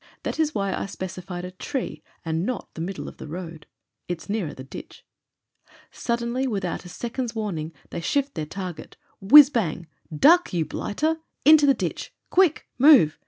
That is why I specified a tree, and not the middle of the road. It's nearer the ditch. Suddenly, without a second's warning, they shift their target. Whizz bang ! Duck, you blighter 1 Into the ditch. Quick ! Move